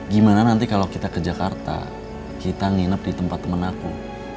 gimana nanti kalau kita ke jakarta kita nginep di tempat teman aku